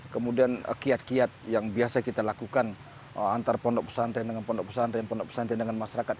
kemudian kiat kiat yang biasa kita lakukan antar pondok pesantren dengan pondok pesantren pondok pesantren dengan masyarakat